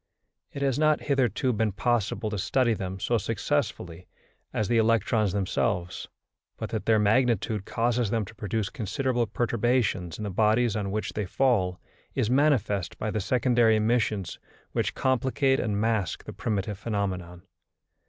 It has not hitherto been possible to study them so successfully as the electrons themselves; but that their magnitude causes them to produce considerable perturbations in the bodies on which they fall is manifest by the secondary emissions which complicate and mask the primitive phenomenon.